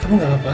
kamu gak apa apa